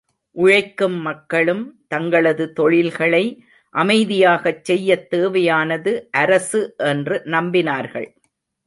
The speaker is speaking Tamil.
உழைக்கும் மக்களும், தங்களது தொழில்களை அமைதியாகச் செய்யத் தேவையானது அரசு என்று நம்பினார்கள்.